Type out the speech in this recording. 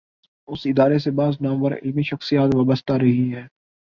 اس ادارے سے بعض نامور علمی شخصیات وابستہ رہی ہیں۔